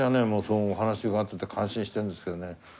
そのお話があったって感心してるんですけどね